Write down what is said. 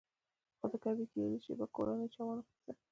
خو د کعبې کیلي له شیبه کورنۍ چا وانخیسته.